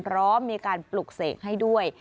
พร้อมมีการปลุกเสกให้ด้วย